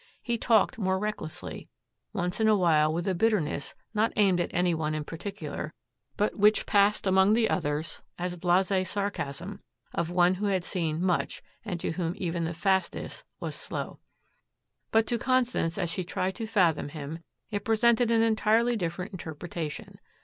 He talked more recklessly, once in a while with a bitterness not aimed at any one in particular, which passed among the others as blase sarcasm of one who had seen much and to whom even the fastest was slow. But to Constance, as she tried to fathom him, it presented an entirely different interpretation.